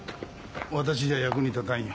私じゃ役に立たんよ。